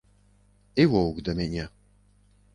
І воўк да мяне.